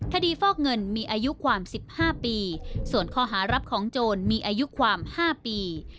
ฟอกเงินมีอายุความ๑๕ปีส่วนข้อหารับของโจรมีอายุความ๕ปี